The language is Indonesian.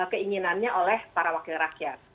keinginannya oleh para wakil rakyat